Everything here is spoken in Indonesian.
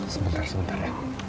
sebentar sebentar ya